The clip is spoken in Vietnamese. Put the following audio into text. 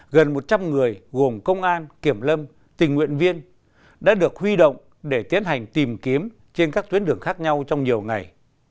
gần một trăm linh người gồm công an kiểm lâm tình nguyện viên đã được huy động để tiến hành tìm kiếm trên các tuyến đường khác nhau trong nhiều ngày